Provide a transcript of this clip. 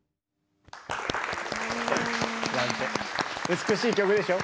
美しい曲でしょ？